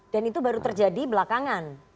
dan itu baru terjadi belakangan